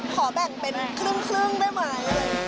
ขอแบ่งเป็นครึ่งได้ไหม